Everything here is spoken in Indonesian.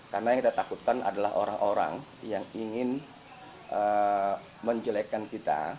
karena yang kita takutkan adalah orang orang yang ingin menjelekan kita